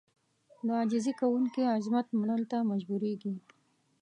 د عاجزي کوونکي عظمت منلو ته مجبورېږي.